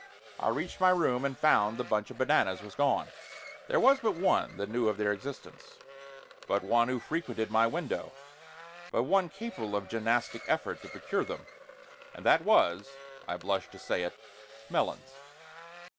I reached my room and found the bunch of bananas was gone. There was but one that knew of their existence, but one who frequented my window, but one capable of gymnastic effort to procure them, and that was I blush to say it Melons.